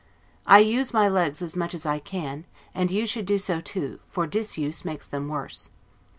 I use my legs as much as I can, and you should do so too, for disuse makes them worse.